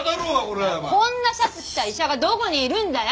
こんなシャツ着た医者がどこにいるんだよ！